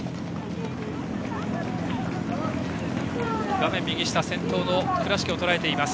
画面右下は先頭の倉敷をとらえています。